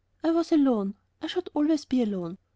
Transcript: I was alone.... I should always be alone....